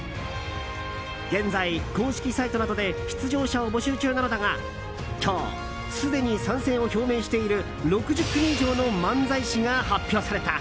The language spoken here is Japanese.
現在、公式サイトなどで出場者を募集中なのだが今日、すでに参戦を表明している６０組以上の漫才師が発表された。